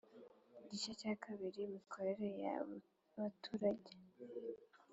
igice cya kabiri imikorere ya baturage